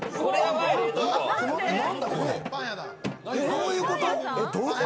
どういうこと？